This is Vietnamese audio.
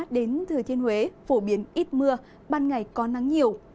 đến thừa thiên huế phổ biến ít mưa ban ngày có nắng nhiều